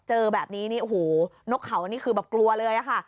เจอแบบนี้นี่โอ้โหนกเขานี่คือแบบกลัวเลยอะค่ะ